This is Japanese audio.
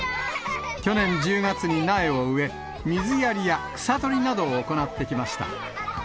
去年１０月に苗を植え、水やりや草取りなどを行ってきました。